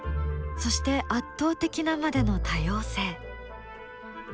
そして圧倒的なまでの多様性。